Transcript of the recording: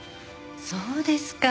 そうですか。